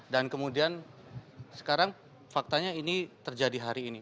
dan kemudian sekarang faktanya ini terjadi hari ini